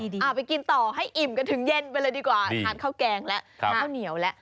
ไปกินต่อให้อิ่มกันถึงเย็นไปเลยดีกว่าทานข้าวแกงแล้วข้าวเหนียวแล้ว